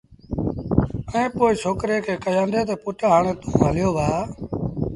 ائيٚݩ پو ڇوڪري کي ڪهيآݩدي تا پُٽ هآڻي توݩ هليو وهآ